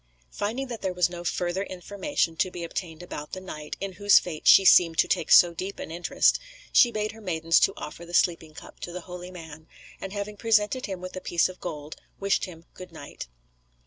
Finding that there was no further information to be obtained about the knight, in whose fate she seemed to take so deep an interest, she bade her maidens to offer the sleeping cup to the holy man, and having presented him with a piece of gold, wished him good night.